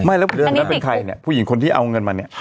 เรื่องนั้นเป็นใครเนี่ยผู้หญิงคนที่เอาเงินมาเนี่ย